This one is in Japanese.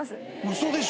嘘でしょ？